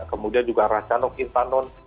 kemudian juga rassano kirtanon